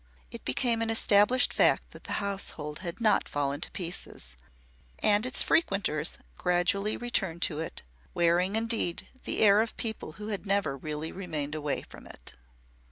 It became an established fact that the household had not fallen to pieces, and its frequenters gradually returned to it, wearing, indeed, the air of people who had never really remained away from it.